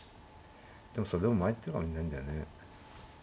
でもそれでも参ってるかもしれないんだよね。